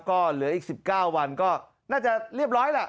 ก็เหลืออีก๑๙วันก็น่าจะเรียบร้อยล่ะ